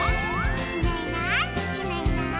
「いないいないいないいない」